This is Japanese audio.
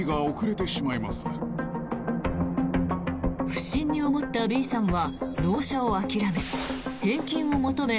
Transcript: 不審に思ったＢさんは納車を諦め返金を求め